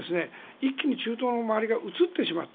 一気に中東の周りがそこに移ってしまった。